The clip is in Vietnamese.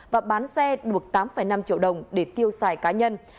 và bán xe buộc tám năm triệu đồng để tiêu xài cá nhân